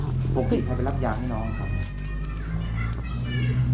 พวกพี่ใครไปรับยากให้น้องครับ